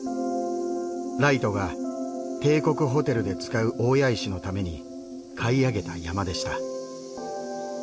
ライトが「帝国ホテル」で使う大谷石のために買い上げた山でした。